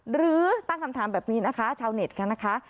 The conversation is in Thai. หรือตั้งคำถามแบบนี้นะคะชาวเน็ตกันนะคะ